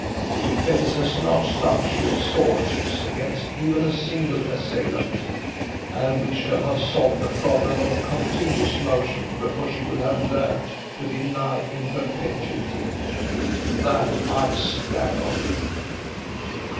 The defence has not such resources against even a single assailant, and we shall have solved the problem of continuous motion before she will have learned to deny in perpetuity. That I stand on."